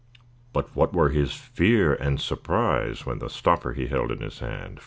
_] But what were his fear and surprise When the stopper he held in his hand!